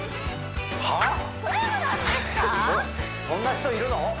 そんな人いるの？